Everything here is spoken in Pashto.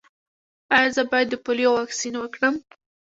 ایا زه باید د پولیو واکسین وکړم؟